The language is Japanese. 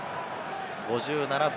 ５７分。